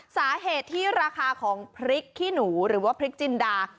สาเหตุที่ราคาของพริกขี้หนูหรือว่าพริกจินดา